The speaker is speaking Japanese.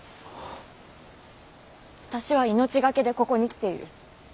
私は命懸けでここに来ている。